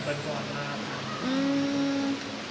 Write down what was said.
itu bukan ke warna apa